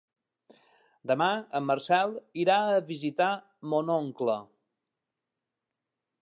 Demà en Marcel irà a visitar mon oncle.